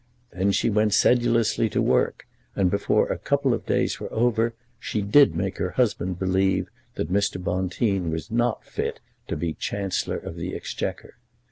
Then she went sedulously to work, and before a couple of days were over she did make her husband believe that Mr. Bonteen was not fit to be Chancellor of the Exchequer.